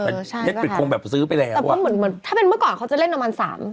เน็ตฟลิกซ์คงแบบซื้อไปแล้วอะแต่ก็เหมือนถ้าเป็นเมื่อก่อนเขาจะเล่นนามัน๓